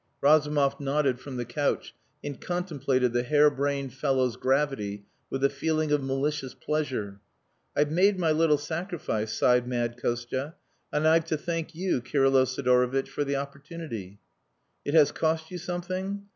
Razumov nodded from the couch, and contemplated the hare brained fellow's gravity with a feeling of malicious pleasure. "I've made my little sacrifice," sighed mad Kostia. "And I've to thank you, Kirylo Sidorovitch, for the opportunity." "It has cost you something?"